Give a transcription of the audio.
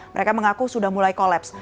mereka mengaku sudah mulai kolaps